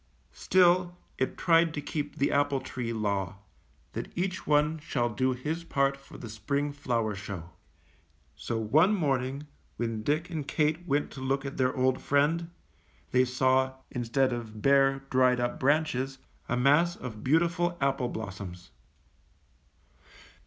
Still, it tried to keep the apple tree law, — that each one shall do his part for the spring flower show. So onp morning when Dick and Kate went to look at their old friend, they saw, instead of bare, dried up branches, a mass of beautiful apple blossoms.